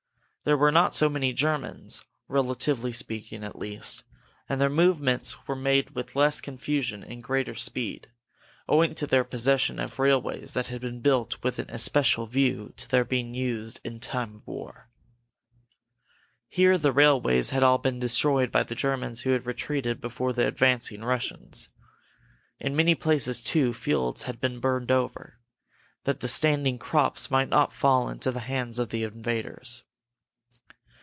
There were not so many Germans, relatively speaking at least, and their movements were made with less confusion and greater speed, owing to their possession of railways that had been built with an especial view to their being used in time of war. Here the railways had all been destroyed by the Germans who had retreated before the advancing Russians. In many places, too, fields had been burned over, that the standing crops might not fall into the hands of the invaders.